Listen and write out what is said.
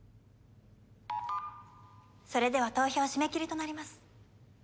それでは投票締め切りとなります。